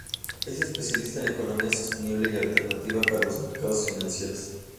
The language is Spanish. Es especialista en economía sostenible y alternativas para los mercados financieros.